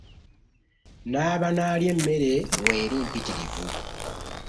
N'abanaalya emmere w'eri mpitirivu